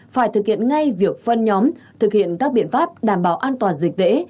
phải thực hiện ngay việc phân nhóm thực hiện các biện pháp đảm bảo an toàn dịch tễ